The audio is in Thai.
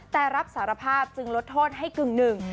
แต่รับสารภาพจึงลดโทษให้กึ่งหนึ่ง